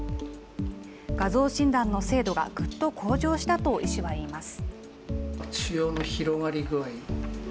画像診断の精度がぐっと向上したと医師は言います。